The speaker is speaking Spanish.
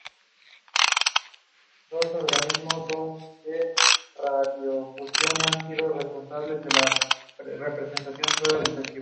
Su ambición creció, queriendo tomar su ciudad natal, Fermo, para sí.